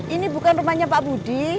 ini bukan rumahnya pak budi